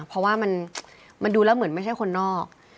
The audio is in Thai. เพราะว่ามันดูแล้วเหมือนไม่ใช่คนนอก